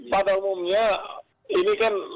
pada umumnya ini kan